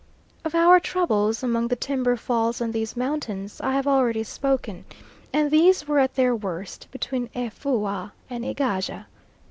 Of our troubles among the timber falls on these mountains I have already spoken; and these were at their worst between Efoua and Egaja.